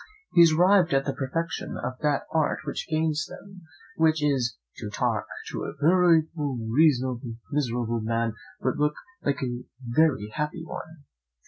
He is arrived at the perfection of that art which gains them; which is, 'to talk like a very miserable man, but look like a very happy one.'